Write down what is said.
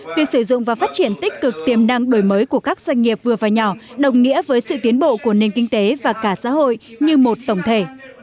việc sử dụng và phát triển tích cực tiềm năng đổi mới của các doanh nghiệp vừa và nhỏ đồng nghĩa với sự tiến bộ của nền kinh tế và cả xã hội như một tổng thể